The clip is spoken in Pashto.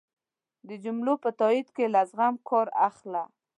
د جملو په تایېد کی له زغم کار اخله